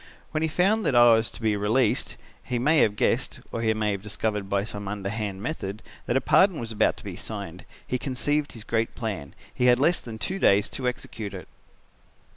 When he found that I was to be released, he may have guessed, or he may have discovered by some underhand method; that a pardon was about to be signed, he conceived his great plan. He had less than two days to execute it.